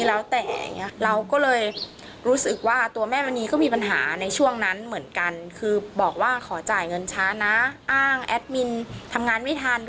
แล้วแต่อย่างเงี้ยเราก็เลยรู้สึกว่าตัวแม่มณีก็มีปัญหาในช่วงนั้นเหมือนกันคือบอกว่าขอจ่ายเงินช้านะอ้างแอดมินทำงานไม่ทัน